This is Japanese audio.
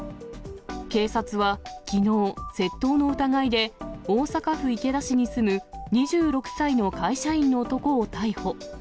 警察はきのう、窃盗の疑いで、大阪府池田市に住む２６歳の会社員の男を逮捕。